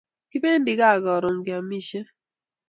Kipendi kaa karun kamishen